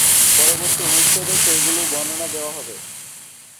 পরবর্তী অনুচ্ছেদে সেগুলোর বর্ণনা দেয়া হবে।